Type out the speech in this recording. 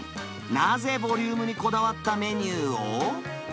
なぜボリュームにこだわったメニューを？